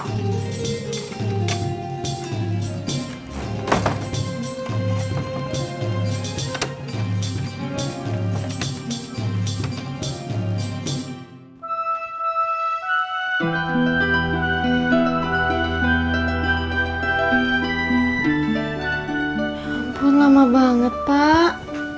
ya ampun lama banget pak